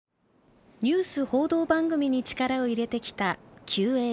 ニュース報道番組に力を入れてきたＱＡＢ。